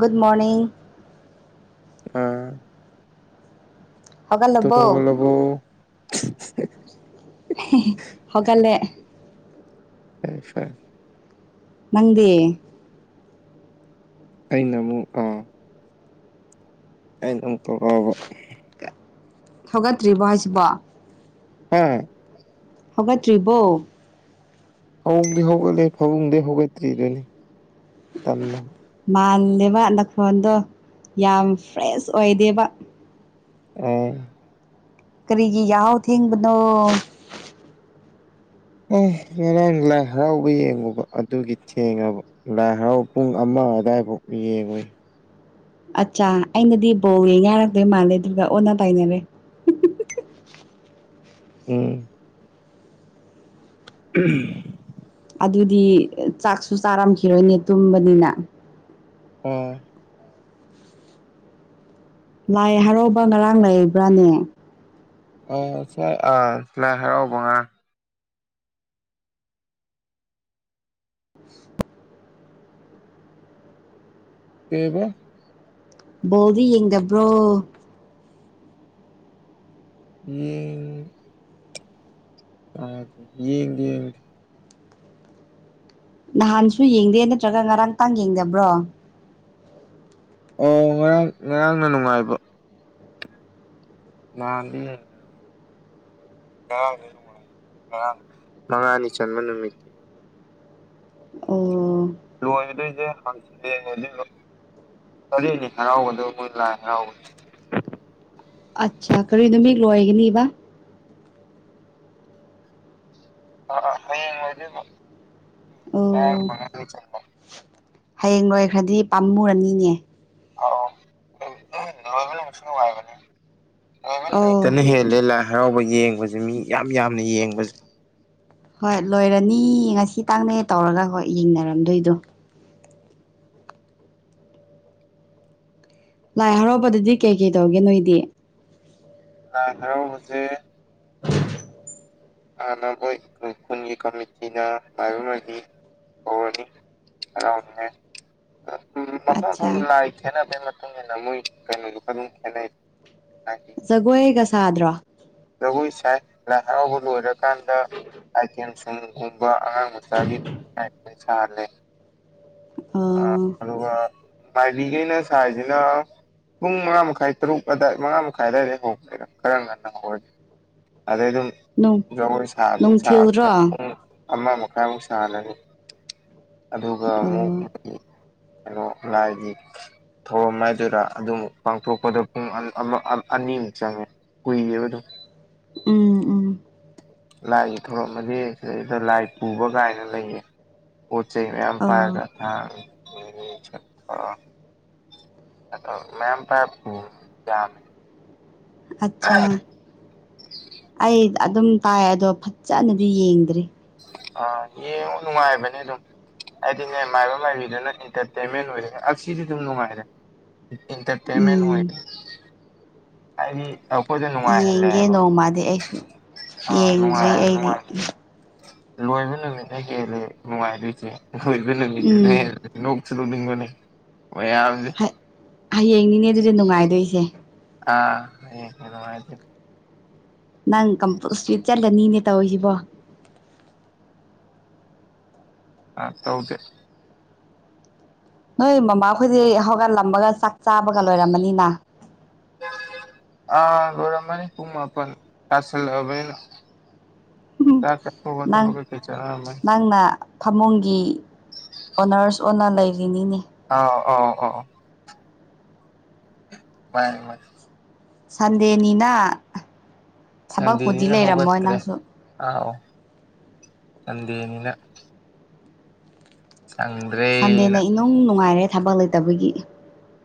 good morning ꯑꯥ ꯇꯃꯒ ꯍꯧꯒꯠꯂꯕꯣ ꯂꯕꯨꯣ ꯁꯀꯦ ꯐ ꯐꯦ ꯅꯪꯗꯦ ꯑꯩꯅ ꯑꯃꯨꯛ ꯑꯦ ꯅꯝ ꯇꯕ ꯊꯧꯒꯠꯇ꯭ꯔꯤꯕꯣ ꯍꯥꯏꯁꯤꯕ ꯍꯝ ꯍꯧꯒꯠꯇ꯭ꯔꯤꯕꯣ ꯍꯧꯣꯡꯗꯤ ꯍꯧꯒꯠꯂꯤ ꯐꯃꯨꯡꯗꯒꯤꯩ ꯍꯧꯒꯠꯇ꯭ꯔꯤꯗꯨꯅꯤ ꯇꯅ ꯃꯥꯂꯦꯕ ꯅꯐꯣꯟꯗꯣ ꯌꯥꯝ ꯐ꯭ꯔꯦꯁ ꯑꯣꯏꯗꯦꯕ ꯑ ꯀꯔꯤꯒꯤ ꯌꯥꯎ ꯊꯦꯡꯤꯡꯅꯣ ꯑ ꯉꯔꯥꯡ ꯂꯥꯏ ꯍꯔꯥꯎꯕ ꯌꯦꯡꯉꯨꯕ ꯑꯗꯨꯒꯤ ꯊꯦꯡꯉꯕ ꯂꯥꯏ ꯍꯔꯥꯎꯕ ꯄꯨꯡ ꯑꯃ ꯑ ꯑꯗ ꯍꯥꯏ ꯌꯦꯡꯉꯨꯣꯏ ꯑꯠꯆꯥ ꯑꯩꯅꯗꯤ ꯕꯣ ꯌꯦ ꯉꯥꯏꯔꯛꯇꯣꯏ ꯃꯥꯜꯂꯦ ꯑꯗꯨꯒ ꯑꯣꯟꯅ ꯇꯥꯏꯅꯔꯦ ꯎꯝ ꯀ ꯑꯗꯨꯗꯤ ꯆꯥꯛꯁꯨ ꯆꯥꯔꯝꯈꯤꯔꯣꯏꯅꯦ ꯇꯨꯝꯕꯅꯤꯅ ꯑꯣ ꯂꯥꯏ ꯍꯔꯥꯎꯕ ꯉꯔꯥꯡ ꯂꯩꯕ꯭ꯔꯥꯅꯦ ꯑ ꯁꯤ ꯑꯥ ꯂꯥꯏ ꯍꯥꯏꯔꯛꯑꯣ ꯉꯥ [unintelligible] ꯀꯕ ꯣꯕꯤ ꯌꯦꯉꯕ꯭ꯔꯣ ꯏ ꯑ ꯌꯦꯡ ꯌꯦ ꯅꯍꯥꯟꯁꯨ ꯌꯦꯡꯗꯦ ꯅꯠꯇ꯭ꯔꯒ ꯉꯔꯥꯡ ꯇꯥꯡ ꯌꯦꯡꯗꯕ꯭ꯔꯣ ꯑꯣ ꯉꯔꯥꯡ ꯉꯔꯥꯡꯅ ꯅꯨꯡꯉꯥꯏꯕ ꯃꯥ ꯃꯉꯅꯤ ꯆꯟ ꯃꯅ ꯃ ꯑꯣ ꯂꯣꯏꯗꯣꯏꯁꯦ ꯍꯪꯁꯂꯦꯅꯦ ꯑꯗꯨ ꯆꯔꯅꯤ ꯍꯔꯥꯎꯒꯗꯕ ꯃꯣꯏ ꯂꯥꯛꯑ ꯍꯔꯥꯎꯒ ꯑꯆꯥ ꯀꯔꯤ ꯅꯨꯃꯤ ꯂꯣꯏꯒꯅꯤꯕ ꯑ ꯍꯌꯦꯡ ꯑꯣꯏꯗꯤ ꯑꯣ ꯍꯌꯦꯡ ꯂꯣꯏꯈ꯭ꯔꯗꯤ ꯄꯥꯝꯃꯨꯔꯅꯤꯅꯦ ꯑ ꯂꯣꯏꯕ ꯉꯁꯅ ꯋꯥꯥꯏ ꯃ ꯑꯧ ꯂꯣꯏ ꯍꯦ ꯂꯤꯂꯥꯏ ꯍꯔꯥꯎꯕ ꯌꯦꯡꯕꯁꯦ ꯃꯤ ꯌꯥꯝ ꯌꯥꯝꯅ ꯌꯦꯡꯕꯁꯦ ꯍꯣꯏ ꯂꯣꯏꯔꯅꯤ ꯉꯁꯤ ꯇꯥꯡꯅꯦ ꯇꯧꯔꯒ ꯍꯣꯏ ꯌꯦꯡꯅꯔꯝꯗꯣꯏꯗꯣ ꯂꯥꯏ ꯍꯔꯥꯎꯕꯗꯗꯤ ꯀꯩ ꯀꯩ ꯇꯧꯒꯦ ꯅꯣꯏꯗꯤ ꯍꯔꯥꯎ ꯍꯧꯁꯦ ꯍꯥꯟꯅ ꯃꯣꯏ ꯈꯨꯟꯒꯤ ꯀꯃꯤꯇꯤꯅ ꯃꯥꯏꯕꯅ [unintelligible] ꯎꯝ ꯃꯐꯝ ꯑꯠꯆꯥ ꯃꯐꯝꯗ ꯂꯥꯏ ꯈꯦꯠꯅꯕꯩ ꯃꯇꯨꯡ ꯏꯟꯅ ꯃꯣꯏ ꯀꯩꯅꯣꯗꯨ ꯈ ꯑꯗꯨꯝ ꯈꯦꯠꯅꯩ ꯖꯒꯣꯏꯣꯏꯒꯁꯗ꯭ꯔꯣ ꯆꯥꯏ ꯂꯍꯥꯛ ꯂꯣꯏꯔꯀꯥꯟꯗ ꯑꯥꯏꯇꯦꯝ ꯁꯒꯨꯝꯕ ꯑꯉꯥꯡ ꯃꯆꯥꯒꯤꯋꯥꯏꯠ ꯁꯥꯍꯜꯂꯦ ꯑ ꯑꯣ ꯑꯗꯨꯒ ꯃꯥꯏꯕꯤꯈꯩꯅ ꯁꯥꯏꯁꯤꯅ ꯄꯨꯡ ꯃꯉꯥ ꯃꯈꯥꯏ ꯇꯔꯨꯛ ꯑꯋꯥꯏ ꯃꯉꯥ ꯃꯈꯥꯏ ꯑꯗꯨꯋꯥꯏꯗ ꯍꯧꯈꯦꯔ ꯈꯔ ꯉꯟꯅ ꯍꯧꯔꯒꯦ ꯑꯗꯩ ꯑꯗꯨꯝ ꯅꯨꯡ ꯖꯒꯣꯏ ꯁꯥꯕ ꯅꯨꯡꯊꯤꯜꯗ꯭ꯔꯣ ꯁꯥꯕꯅꯤꯅ ꯄꯨꯡ ꯑꯣ ꯑꯃ ꯃꯈꯥꯏꯃꯨꯛ ꯆꯥꯂꯅꯤ ꯑꯗꯨꯒ ꯑꯃꯨꯛ ꯍꯜꯂꯣ ꯂꯖꯤ ꯊꯧꯔꯝ ꯍꯥꯏꯗꯨꯗ ꯑꯗꯨꯝ ꯄꯥꯡꯊꯣꯛꯄꯗ ꯄꯨꯡ ꯑꯅꯤꯃꯨꯛ ꯆꯪꯉꯦ ꯍꯣꯏꯦꯕꯗ ꯎꯝ ꯎꯝ ꯂꯥꯏꯒꯤ ꯊꯣꯔꯛꯃꯗꯤ ꯁꯤꯗꯩꯗ ꯂꯥꯏ ꯄꯨꯕ ꯀꯥꯏꯅ ꯂꯩꯌꯦ ꯄꯣꯠ ꯆꯩ ꯃꯌꯥꯝ ꯑꯣ ꯄꯥꯏꯔꯒ ꯊꯥꯡ ꯆꯠꯄ [unintelligible] ꯑꯠ ꯑꯩ ꯑꯗꯨꯝ ꯇꯥꯏ ꯑꯗꯣ ꯐꯖꯅꯗꯤ ꯌꯦꯡꯗ꯭ꯔꯤ ꯑ ꯌꯦ ꯅꯨꯡꯉꯥꯏꯕꯅꯦ ꯑꯗꯨꯝ ꯍꯥꯏꯗꯤꯅꯦ ꯃꯥꯏꯕ ꯃꯥꯏꯕꯤꯗꯨꯅ ꯑꯦꯟꯇꯔꯇꯦꯟꯃꯦꯟ ꯑꯣꯏꯔꯦ ꯁꯤꯗꯤ ꯑꯗꯨꯝ ꯅꯨꯡꯉꯥꯏꯔꯦ ꯏꯟꯇꯔꯇꯦꯟꯃꯦꯟ ꯎꯝ ꯑꯣꯏꯔ ꯍꯥꯏꯗꯤ ꯑꯩꯈꯣꯏꯗ ꯅꯨꯡꯉꯥꯏ ꯍꯥꯏ ꯌꯦꯡꯒꯦ ꯅꯣꯡꯃꯗꯤ ꯑꯩꯁꯨ ꯑꯥ ꯌꯦꯡꯗ꯭ꯔꯤ ꯅꯨꯡꯉꯥꯏꯕꯅꯤ ꯑꯩꯗꯤ ꯂꯣꯏꯕ ꯅꯨꯃꯤꯠꯅ ꯍꯦꯜꯂꯦ ꯅꯨꯡꯉꯥꯏꯔꯣꯏꯁꯦ ꯂꯣꯏꯕ ꯅꯨꯃꯤꯠꯇꯅ ꯎꯝ ꯍꯦꯜꯂꯦ [unintelligible] ꯅꯤꯅꯦ ꯑꯗꯨꯗꯤ ꯅꯨꯡꯉꯥꯏꯗꯣꯏꯁꯦ ꯑꯥ ꯍ ꯑꯗꯨꯅꯨꯡꯉꯦ ꯅꯪ ꯀꯝꯄ ꯏꯁꯇ꯭ꯤꯠ ꯆꯠꯂꯅꯤꯅꯦ ꯇꯧꯔꯤꯁꯤꯕꯣ ꯑ ꯇꯧꯗꯦ ꯅꯣꯏ ꯃꯃꯥꯈꯣꯏꯗꯤ ꯍꯧꯒꯠꯂꯝꯃꯒ ꯆꯥꯛ ꯆꯥꯕꯒ ꯂꯣꯏꯔꯝꯃꯅꯤꯅ ꯑꯃꯥ ꯝꯕꯅꯤ ꯄꯨꯡꯃꯄ ꯀꯥꯁꯂꯕꯅ ꯆ ꯆꯄ ꯅꯪ ꯋꯥꯒ ꯀꯩ ꯆꯔ ꯅꯪꯅ ꯐꯃꯨꯡꯒꯤ ꯑꯣꯅꯔꯁ ꯑꯣ ꯑꯣꯏꯅ ꯂꯩꯔꯤꯅꯤꯅꯦ ꯑꯥꯎ ꯑ ꯑꯣ ꯏ ꯃꯥꯥꯏ ꯁꯟꯗꯦꯅꯤꯅ ꯊꯕꯛꯄꯨꯗꯤ ꯁꯟꯗꯦꯅꯤꯅ ꯂꯩꯔꯝꯃꯣꯏ ꯍꯧꯒꯠꯇ꯭ꯔꯦ ꯅꯪꯁꯨ ꯑꯥꯎ ꯆꯗꯦꯅꯤꯅ ꯁꯟꯗꯦꯗ ꯏꯅꯨꯡ ꯅꯨꯡꯉꯥꯏꯔꯦ ꯊꯕꯛ ꯂꯩꯇꯕꯒꯤ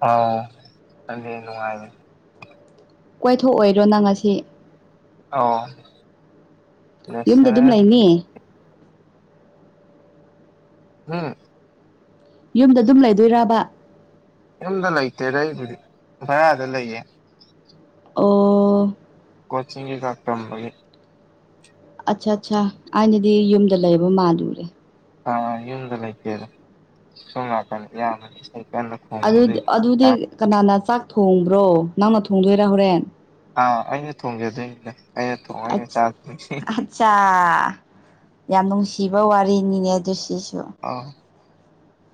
ꯑꯥꯎꯗ ꯅꯨꯡꯉꯥꯏ ꯀꯏꯊꯣꯛꯑꯣꯏꯔꯣ ꯅꯪ ꯑꯁꯤ ꯑ ꯌꯨꯝꯗ ꯑꯗꯨꯝ ꯂꯩꯅꯤꯌꯦ ꯑꯥ ꯌꯨꯝꯗ ꯑꯗꯨꯝ ꯂꯩꯗꯣꯏꯔꯕ ꯌꯨꯝꯗ ꯂꯩꯇꯦ ꯂꯩꯕꯨꯗꯤ ꯚꯔꯥꯗ ꯂꯩꯌꯦ ꯑꯣ ꯀꯣꯆꯤꯡꯦ ꯀꯇꯝꯕꯗꯤ ꯑꯠꯆꯥ ꯑꯠꯆꯥ ꯑꯩꯅꯗꯤ ꯌꯨꯝꯗ ꯂꯩꯕ ꯃꯥꯜꯂꯨꯔꯦ ꯑꯥ ꯌꯨꯝꯗ ꯂꯩꯇꯦꯗ ꯁꯣꯝ ꯂꯥꯛꯀꯅꯤ ꯌꯥꯃꯅꯤ ꯏꯁꯩ ꯀꯟꯅ ꯑꯗꯨ ꯈꯣꯡꯕꯗꯨꯒꯤ ꯑꯗꯨꯗꯤ ꯆꯥꯛ ꯀꯅꯥꯅ ꯆꯥꯛ ꯊꯣꯡꯕ꯭ꯔꯣ ꯅꯪꯅ ꯊꯣꯡꯗꯣꯏꯔꯥ ꯍꯣꯔꯦꯟ ꯑꯥ ꯑꯩꯅ ꯊꯣꯡꯒꯦꯗꯣꯏꯅꯤꯅꯦ ꯑꯆꯥ ꯌꯥꯝꯁꯤ ꯕ ꯋꯥꯔꯤꯔꯤꯅꯤꯅꯦꯗꯨꯣꯁꯤꯁ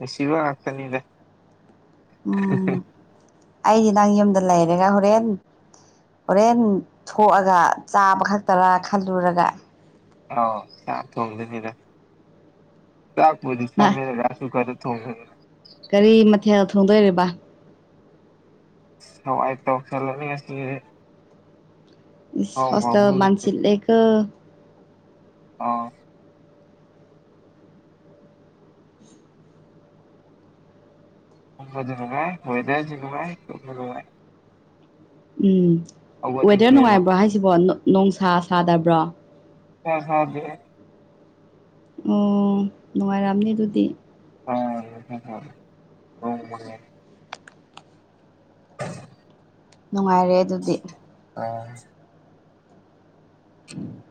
ꯑ ꯁꯤꯕ ꯉꯥꯛꯇꯅꯤꯗꯦ ꯎꯝ ꯑꯩꯗꯤ ꯅꯪ ꯌꯨꯝꯗ ꯂꯩꯔꯦꯒ ꯍꯣꯔꯦꯟ ꯍꯣꯔꯦꯟ ꯊꯣꯛꯑꯒ ꯆꯥꯕ ꯈꯛꯇꯔꯥ ꯈꯜꯂꯨꯔꯒ ꯑꯥꯎ ꯆꯥꯛ ꯊꯣꯡꯗꯅꯤꯅ ꯃꯥ ꯆꯥꯛꯄꯗꯤꯃꯦꯒꯁꯨ ꯈꯔ ꯇꯨꯡ ꯀꯔꯤ ꯃꯊꯦꯜ ꯊꯣꯡꯗꯣꯏꯔꯤꯕ ꯁꯋꯥꯏ ꯇ ꯆꯂꯅꯤ ꯍꯋꯥꯁ ꯃꯆꯦ ꯂ ꯀ ꯑꯥ ꯥꯏ ꯍꯣꯏꯗꯕꯥꯥꯏ ꯎꯝ ꯋꯦꯗꯔ ꯍꯧꯒꯠꯅꯤꯡꯗꯦꯕ ꯅꯨꯡꯉꯥꯏꯕ꯭ꯔꯣ ꯍꯥꯏꯁꯤꯕꯣ ꯅꯣꯡꯁꯥ ꯁꯥꯗꯕ꯭ꯔꯣ ꯍ ꯁꯥꯗ ꯑꯣ ꯅꯨꯡꯉꯥꯏꯔꯑꯝꯅꯤ ꯑꯗꯨꯗꯤ ꯍ ꯍ ꯅꯨꯡꯉꯥꯏꯔꯦ ꯑꯗꯨꯗꯤ ꯑꯁ ꯎꯝ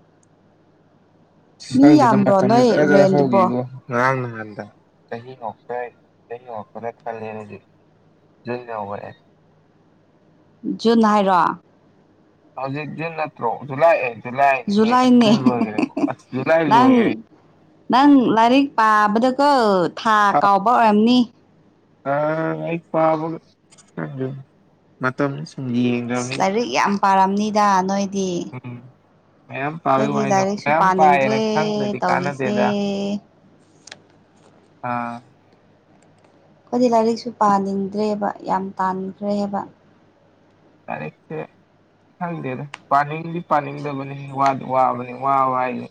ꯁꯪꯗꯨꯗ ꯃꯇꯝꯗꯨ ꯅꯣꯏ ꯔꯦꯟꯗꯨꯕꯣ ꯍꯧꯈꯤꯕꯣ ꯉꯔꯥꯡ ꯅꯨ ꯆꯍꯤ ꯆꯍꯤ ꯉꯄ꯭ꯔ ꯈꯜꯂꯦ ꯑꯗꯨ ꯣꯏꯗꯕ ꯄꯔꯦ ꯖꯨꯟ ꯍꯥꯏꯔꯣ ꯍꯧꯖꯤꯛ ꯖꯨꯟ ꯅꯠꯇ꯭ꯔꯣ ꯖꯨꯂꯥꯏ ꯖꯨꯂꯥꯏꯖꯟ ꯖꯨꯂꯥꯏꯅꯦ ꯑꯣꯏꯈꯦꯀꯣ ꯂꯗꯥꯥꯏꯜ ꯂ ꯑꯣꯏꯦꯔ ꯅꯪ ꯅꯪ ꯂꯥꯏꯔꯤꯛ ꯄꯥꯕꯗꯒ ꯊꯥ ꯀꯥꯎꯕ ꯑꯣꯏꯔꯝꯅꯤ ꯑ ꯑꯩ ꯄꯥꯕ ꯃ ꯂꯥꯏꯔꯤꯛ ꯌꯥꯝ ꯄꯥꯔꯝꯅꯤꯗ ꯅꯣꯏꯗꯤ ꯎꯝ ꯃꯌꯥꯝ ꯄꯥꯋ ꯑꯩꯈꯣꯏꯗꯤ ꯋꯥꯏꯅ ꯂꯥꯏꯔꯤꯛꯁꯨ ꯃꯌꯥꯝ ꯄꯥꯏꯌꯦꯅ ꯄꯥꯅꯤꯡꯗ꯭ꯔꯦ ꯈꯪꯗꯗꯤ ꯇꯧꯔꯤꯁꯦ ꯀꯥꯟꯅꯗꯦꯗ ꯑꯥ ꯑꯩꯈꯣꯏꯗꯤ ꯂꯥꯏꯔꯤꯛꯁꯨ ꯄꯥꯅꯤꯡꯗ꯭ꯔꯦꯕ ꯌꯥꯝ ꯇꯥꯟꯈ꯭ꯔꯦꯕ ꯂꯥꯏꯔꯤꯛꯁꯦ ꯈꯪꯗꯦꯗ ꯄꯥꯅꯤꯡꯗꯤ ꯄꯥꯅꯤꯡꯗꯕꯅꯤ ꯋꯥ ꯋꯥꯕꯅꯤ ꯋꯥꯕ ꯍꯥꯏꯗꯨ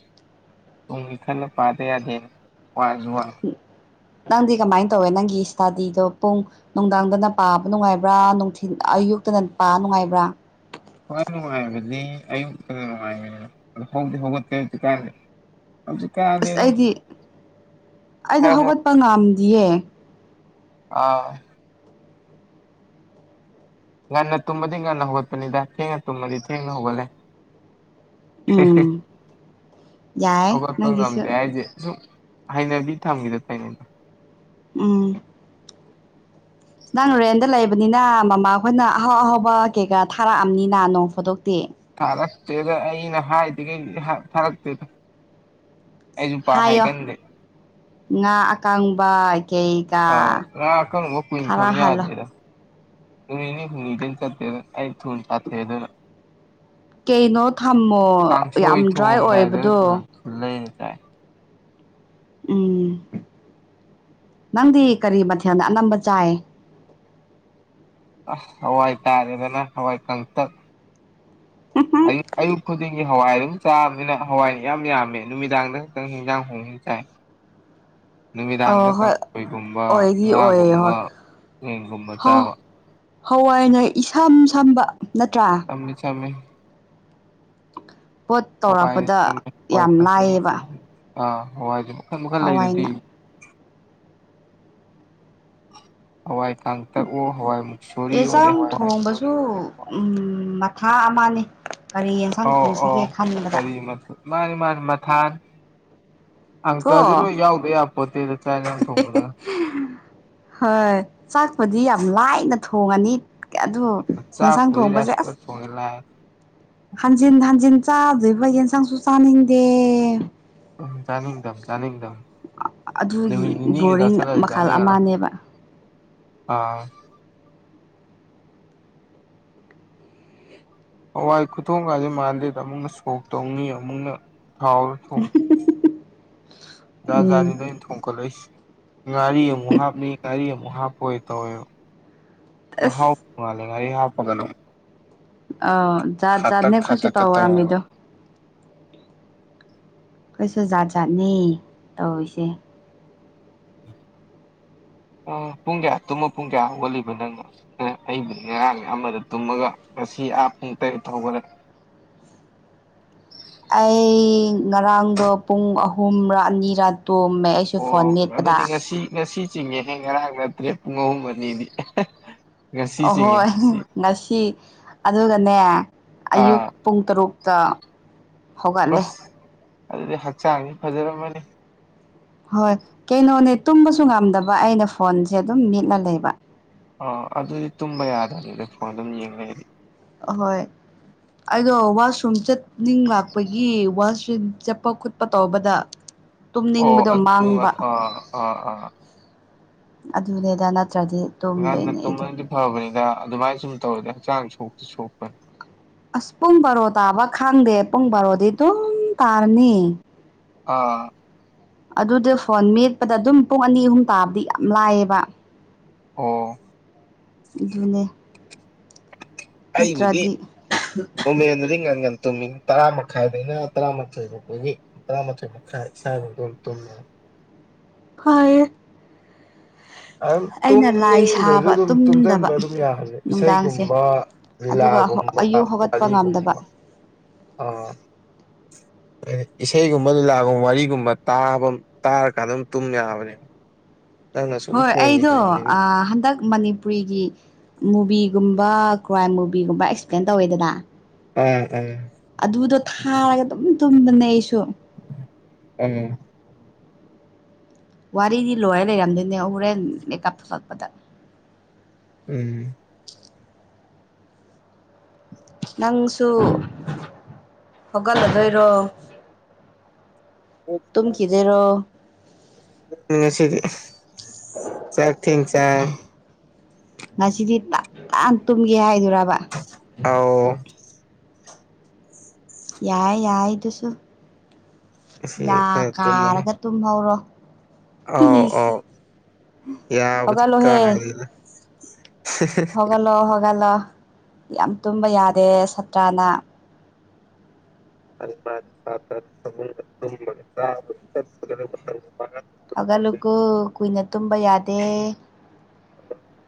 ꯇꯨꯡꯒꯤ ꯈꯜꯂ ꯄꯥꯗ ꯌꯥꯗꯦꯅ ꯄꯖ ꯋꯥ ꯅꯪꯗꯤ ꯀꯃꯥꯏꯅ ꯇꯧꯋꯦ ꯅꯪꯒꯤ ꯏꯁꯇꯥꯗꯤꯗꯣ ꯄꯨꯡ ꯅꯨꯡꯗꯥꯡꯗꯅ ꯄꯥꯕ ꯅꯨꯡꯉꯥꯏꯕ꯭ꯔꯥ ꯅꯨꯡꯊꯤ ꯑꯌꯨꯛꯇꯅ ꯄꯥ ꯅꯨꯡꯉꯥꯏꯕ꯭ꯔꯥ ꯍꯣꯏ ꯅꯨꯡꯉꯥꯏꯕꯗꯤ ꯑꯌꯨꯛꯇ ꯅꯨꯡꯉꯥꯏꯕꯅꯤꯅ ꯑ ꯍꯧꯗꯤꯤ ꯍꯧꯒꯠꯇꯀꯦ ꯍꯧꯖꯤꯛ ꯀꯥꯏꯗ ꯑꯁ ꯑꯩꯗꯤ ꯑꯩꯗꯣ ꯈꯔ ꯈꯔ ꯍꯧꯒꯠꯄ ꯉꯝꯗꯤꯌꯦ ꯑꯥ ꯉꯟꯅ ꯇꯨꯝꯃꯗꯤ ꯉꯟꯅ ꯍꯧꯒꯠꯄꯅꯤꯗ ꯊꯦꯡꯅ ꯇꯨꯝꯃꯗꯤ ꯊꯦꯡꯅ ꯍꯧꯒꯠꯂꯦ ꯎꯝ ꯌꯥꯏ ꯑꯈꯄ ꯉꯝ ꯅꯪꯒꯤꯁꯨ ꯇ ꯍꯥꯏꯖꯦ ꯁ ꯍꯥꯏꯅꯕꯤ ꯊꯝꯈꯤꯗ ꯇꯥꯏꯅꯗ ꯎꯝ ꯅꯪ ꯅꯣꯔꯦꯟꯗ ꯂꯩꯕꯅꯤꯅ ꯃꯃꯥ ꯑꯩꯈꯣꯏꯅ ꯑꯍꯥꯎ ꯑꯍꯥꯎꯕ ꯀꯩꯀꯥ ꯊꯥꯔꯛꯑꯕꯅꯤꯅ ꯅꯣꯡ ꯐꯨꯗꯣꯛꯇꯦ ꯊꯥꯔꯛꯇꯦꯗ ꯑꯩꯅ ꯍꯥꯏꯗꯉꯩ ꯊꯥꯔꯛꯇꯦꯗ ꯍꯥꯏꯌꯣ ꯉꯥ ꯑꯀꯪꯕ ꯑꯥꯎ ꯀꯩꯀꯥ ꯉ ꯀꯔꯝꯕ ꯀꯨꯏꯅ ꯊꯝꯅꯤ ꯊꯥꯔꯛꯍꯜꯂꯣ ꯌꯥꯗꯦꯗ ꯅꯨꯃꯤꯅꯤ ꯍꯨꯝꯅꯤꯖꯦꯟ ꯆ ꯑꯩ ꯊꯨ ꯇꯥꯊꯦꯗꯅ ꯀꯩꯅꯣ ꯊꯝꯃꯣ ꯀꯥꯡꯥꯡꯁꯣꯏ ꯌꯥꯝ ꯗ꯭ꯔꯥꯏ ꯊꯣꯡꯑꯝꯗꯥꯏꯗ ꯉ ꯑꯣꯏꯕꯗꯣ ꯂꯩꯅ ꯆꯥꯏ ꯎꯝ ꯅꯪꯗꯤ ꯀꯔꯤ ꯃꯊꯦꯜꯅ ꯑꯅꯝꯕ ꯆꯥꯏ ꯑꯁ ꯍꯋꯥꯏ ꯇꯥꯔꯦꯗꯅ ꯍꯋꯥꯏ ꯀꯪꯊꯛ ꯑꯌ ꯑꯌꯨꯕ ꯈꯣꯗꯤ ꯑꯩꯒꯤ ꯍꯋꯥꯏ ꯑꯗꯨꯝ ꯆꯥꯕꯅꯤꯅ ꯍꯋꯥꯏꯅꯤ ꯌꯥꯝ ꯌꯥꯝꯃꯦ ꯅꯨꯃꯤꯗꯥꯡꯗ ꯈꯛꯇꯪ ꯍꯟꯖꯥꯡ ꯍꯣꯡ ꯆꯥꯏ ꯅꯨꯃꯤꯗꯥꯡꯗ ꯑꯣ ꯍꯣꯏ ꯀꯥꯡꯈꯣꯏꯒꯨꯝꯕ ꯑꯣꯏꯗꯤ ꯑꯣꯏꯌꯦ ꯉꯥꯒꯨꯝꯕ ꯍꯣꯏ ꯌꯦꯡꯒꯨꯝꯕ ꯆꯥꯕ ꯍꯋꯥꯏꯅꯥꯏ ꯏꯁꯝ ꯁꯝꯕ ꯅꯠꯇ꯭ꯔꯥ ꯑꯝꯅꯤ ꯆꯃꯦ ꯄꯣꯠ ꯍꯋꯥꯏꯅ ꯇꯧꯔꯛꯄꯗ ꯆꯝꯃꯤ ꯍꯋꯥꯏ ꯌꯥꯝ ꯀꯪꯇꯛꯅ ꯂꯥꯏꯌꯦꯕ ꯆꯝꯃꯤ ꯑꯥ ꯍꯋꯥꯏꯁꯦ ꯃꯈꯜ ꯃꯈꯜ ꯂꯩꯗꯨꯗꯤ ꯍꯋꯥꯏꯅ ꯍꯋꯥꯏ ꯀꯥꯡꯇꯛꯑꯣ ꯍꯋꯥꯏ ꯃꯨꯛꯁꯣꯔꯤ ꯑꯦ ꯑꯣꯏꯔꯦ ꯆꯥꯛ ꯍꯋꯥꯏ ꯊꯣꯡꯕꯁꯨ ꯎ ꯃꯊꯥ ꯑꯃꯅꯤꯅꯦ ꯀꯔꯤ ꯌꯦꯟꯁꯥꯡ ꯑꯧ ꯑꯧ ꯊꯣꯡꯁꯤꯒꯦ ꯈꯟꯕꯗ ꯀꯔꯤ ꯃꯊꯦꯜ ꯃꯥꯅꯤ ꯃꯥꯅꯤ ꯃꯊꯥꯟ ꯑꯪꯀꯁ ꯀꯣ ꯂꯣꯏ ꯌꯥꯎꯗ ꯌꯥꯕ ꯄꯣꯠꯇ ꯍꯣꯏ ꯆꯥꯛꯄꯗꯤ ꯌꯥꯝ ꯂꯥꯏꯅ ꯊꯣꯡꯉꯅꯤ ꯑꯗꯨ ꯌꯦꯟꯁꯥꯡ ꯆꯥꯛꯄꯨꯗꯤ ꯊꯣꯡꯕꯁꯦ ꯔꯥꯏꯁ ꯀꯨꯀꯔ ꯑꯁ ꯊꯣꯡꯉꯦ ꯂꯥꯛꯑꯦ ꯍꯟꯖꯤꯟ ꯍꯟꯖꯤꯟ ꯆꯥꯗꯣꯏꯕ ꯌꯦꯟꯁꯪꯁꯨ ꯆꯥꯅꯤꯡꯗꯦ ꯎ ꯆꯥꯅꯤꯡꯗꯝ ꯆꯥꯅꯤꯡꯗꯝ ꯑꯗꯨꯒꯤ ꯃꯤꯅꯤꯒ ꯕꯣꯔꯤꯡ ꯃꯈꯜ ꯇꯁꯂꯅꯤꯉꯔꯣ ꯑꯃꯅꯦꯕ ꯑꯥ ꯍꯋꯥꯏ ꯈꯨꯊꯣꯡ ꯀꯥꯁꯦ ꯃꯥꯟꯗꯦ ꯑꯃꯨꯛ ꯁꯣꯛ ꯇꯧꯉꯤ ꯑꯃꯨꯛꯅ ꯊꯥꯎ ꯎꯝ ꯊꯣꯡꯖꯅꯤ ꯂꯩ ꯊꯣꯡꯈꯜ ꯂꯩ ꯁꯤ ꯉꯥꯔꯤꯌꯦ ꯃ ꯍꯥꯥꯞ ꯅ ꯀꯥꯔꯤ ꯃꯨ ꯍꯥꯥꯞ ꯑꯣꯏꯣꯏ ꯇ ꯑꯁ ꯍꯥꯎꯉꯦꯉꯔꯤ ꯍꯥꯥꯎꯞꯄꯒꯅꯨ ꯑ ꯖꯥꯠ ꯖꯥꯠꯅꯦꯈꯣꯏꯁꯨ ꯈꯥꯇꯛꯀ ꯇꯧ ꯇꯧꯔꯒ ꯋꯥꯔꯝꯃꯤꯗꯣ ꯀꯩꯁꯨ ꯖꯥꯠ ꯖꯥꯠꯅꯤ ꯇꯧꯔꯤꯁꯦ ꯑ ꯄꯨꯡ ꯀꯌꯥ ꯇꯨꯝꯃ ꯄꯨꯡ ꯀꯌꯥ ꯍꯧꯒꯠꯂꯤꯕ ꯅꯪꯅ ꯑꯩꯕꯨꯗꯤ ꯉꯔꯥꯡ ꯑꯃꯗ ꯇꯨꯝꯃꯒ ꯁꯤ ꯑꯇꯦꯒꯦ ꯑꯩ ꯉꯔꯥꯡꯗꯣ ꯄꯨꯡ ꯑꯍꯨꯝ ꯑꯅꯤꯔꯥ ꯇꯣꯝꯃꯦ ꯑꯩꯁꯨ ꯐꯣꯟ ꯃꯦꯠꯄꯗ ꯆꯤꯡꯉꯦꯍ ꯉꯔꯥꯡ ꯅꯠꯇ꯭ꯔꯦ ꯄꯨꯡ ꯑꯍꯨꯝ ꯑꯅꯤꯗꯤ ꯉꯁꯤ ꯆꯤꯡꯉꯦ ꯑꯍꯣꯏ ꯉꯁꯤ ꯉꯁꯤ ꯑꯗꯨꯒꯅꯦ ꯑꯌꯨꯛ ꯄꯨꯡ ꯇꯔꯨꯛꯇ ꯁ ꯍꯧꯒꯠꯂꯦ ꯑꯗꯨꯗꯤ ꯍꯛꯆꯥꯡꯁ ꯐꯖꯔꯝꯃꯅꯤ ꯍꯣꯏ ꯀꯩꯅꯣꯅꯦ ꯇꯨꯝꯕꯁꯨ ꯉꯝꯗꯕ ꯑꯩꯅ ꯐꯣꯟꯁꯦ ꯑꯗꯨꯝ ꯃꯤꯠꯂ ꯂꯩꯕ ꯑ ꯑꯗꯨꯗꯤ ꯇꯨꯝꯕ ꯌꯥꯗ꯭ꯔꯅꯤꯗ ꯐꯣꯟ ꯑꯗꯨꯝ ꯌꯦꯡꯉꯒꯗꯤ ꯑꯍꯣꯏ ꯑꯗꯣ ꯋꯥꯁꯔꯨꯝ ꯆꯠꯅꯤꯡꯂꯥꯛꯄꯒꯤ ꯋꯥꯁ ꯟ ꯆꯠꯄ ꯈꯣꯠꯄ ꯇꯧꯕꯗ ꯑꯣ ꯇꯨꯝꯅꯤꯡꯕꯗꯣ ꯑ ꯃꯥꯡꯕ ꯑꯥ ꯑꯥ ꯑꯗꯨꯅꯦꯗꯅ ꯑꯗꯨꯀꯥꯟꯅ ꯇꯨꯝꯕꯗꯤ ꯐꯕꯅꯤꯗ ꯑꯗꯨꯃꯥꯏꯅ ꯁꯨꯝ ꯇꯧꯔꯗꯤ ꯍꯛꯆꯥꯡ ꯁꯣꯛꯇ ꯁꯣꯛꯄꯅꯤ ꯑꯁ ꯄꯨꯡ ꯕꯥꯔꯣ ꯇꯥꯕ ꯈꯪꯗꯦ ꯄꯨꯡ ꯕꯥꯔꯣꯗꯤ ꯑꯗꯨꯝ ꯇꯥꯔꯅꯤ ꯑꯥ ꯑꯗꯨꯗꯤ ꯐꯣꯟ ꯃꯦꯠꯄꯗ ꯑꯗꯨꯝ ꯄꯨꯡ ꯑꯅꯤ ꯑꯍꯨꯝ ꯇꯥꯕꯗꯤ ꯌꯥꯝ ꯂꯥꯏꯑꯕ ꯑꯣ ꯅꯦ ꯑꯩꯕꯨꯗꯤ ꯎꯃꯦꯟꯗꯗꯤ ꯉꯪꯒ ꯇꯨꯃꯤꯡ ꯇꯔꯥ ꯃꯈꯥꯏꯗꯩꯅ ꯇꯔꯥꯃꯥꯊꯣꯏ ꯐꯥꯎꯕꯒꯤ ꯇꯔꯥꯃꯥꯊꯣꯏ ꯃꯈꯥꯏ ꯏꯁꯥꯕꯗꯣ ꯇꯨꯝꯃꯦꯦ ꯍꯣꯏ ꯑꯗꯨ ꯇꯨꯝꯅꯤꯡꯗꯁꯨ ꯑꯗꯨꯝ ꯇꯨꯝꯁꯤꯟꯕ ꯇꯨꯝꯗꯕ ꯑꯗꯨꯝ ꯌꯥꯍꯂꯦ ꯅꯨꯡꯗꯥꯡꯁꯦ ꯏꯁꯩꯒꯨꯝꯕ ꯑꯗꯨꯒ ꯂꯤꯂꯥꯒꯨꯝꯕ ꯑꯌꯨꯛ ꯍꯧꯒꯠꯄ ꯉꯝꯗꯕ ꯋꯥꯔꯤꯒꯨꯝꯕ ꯑ ꯏꯁꯩꯒꯨꯝꯕ ꯂꯤꯂꯥꯒꯨꯝꯕ ꯋꯥꯔꯤꯒꯨꯝꯕ ꯇꯥꯕ ꯇꯥꯔꯀꯥꯟꯗ ꯑꯗꯨꯝ ꯇꯨꯝ ꯌꯥꯕꯅꯦꯕ ꯅꯪꯅ ꯁꯨꯝ ꯍꯣꯏ ꯐꯣꯟ ꯑꯩꯗꯣ ꯌꯦꯡꯉꯕꯅꯤꯅ ꯍꯟꯗꯛ ꯃꯅꯤꯄꯨꯔꯤꯒꯤ ꯃꯨꯚꯤꯒꯨꯝꯕ ꯀ꯭ꯔꯥꯏꯝ ꯃꯨꯚꯤꯒꯨꯝꯕ ꯑꯦꯛꯁꯄ꯭ꯂꯦꯟ ꯇꯧꯋꯦꯗꯅ ꯑꯥ ꯑꯥ ꯑꯗꯨꯗꯣ ꯊꯥꯔꯒ ꯑꯗꯨꯝ ꯇꯨꯝꯗꯅꯦ ꯑꯩꯁꯨ ꯎꯝ ꯋꯥꯔꯤꯗꯤ ꯂꯣꯏꯔ ꯂꯩꯔꯝꯗꯣꯏꯅꯦ ꯍꯣꯔꯦꯟ ꯃꯦꯀꯞ ꯊꯣꯛꯂꯛꯄꯗ ꯎꯝ ꯅꯪꯁꯨ ꯍꯧꯒꯠꯂꯗꯣꯏꯔꯣ ꯇꯨꯝꯈꯤꯗꯣꯏꯔꯣ ꯁꯤꯗꯤ ꯆꯥꯛ ꯊꯦꯡ ꯆꯥꯏ ꯉꯁꯤꯗꯤ ꯇ ꯇꯥꯟ ꯇꯨꯝꯒꯦ ꯍꯥꯏꯗ ꯑ ꯌꯥꯏ ꯌꯥꯏ ꯑꯗꯨꯁꯨ ꯉꯁꯤ ꯌꯥ ꯀꯥꯔꯒ ꯇꯨꯝꯍꯧꯔꯣ ꯑꯣ ꯑꯣ ꯌꯥꯕꯗꯤ ꯀ ꯍꯒꯠꯂꯣ ꯍꯣꯒꯠꯂꯣ ꯌꯥꯝ ꯇꯨꯝꯕ ꯌꯥꯗꯦ ꯁꯥꯇ꯭ꯔꯥꯅ [unintelligible] ꯂꯣꯏꯔꯦ ꯍꯧꯒꯜꯂꯨꯀꯨ ꯀꯨꯏꯅ ꯇꯨꯝꯕ ꯌꯥꯗꯦ ꯑꯣ